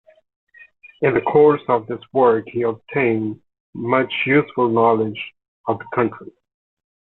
In the course of this work, he obtained much useful knowledge of the country.